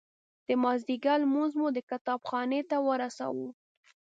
د مازدیګر لمونځ مو د کتاب خانې ته ورساوه.